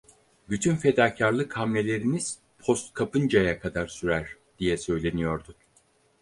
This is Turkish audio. "Bütün fedakârlık hamleleriniz post kapıncaya kadar sürer!" diye söyleniyordu.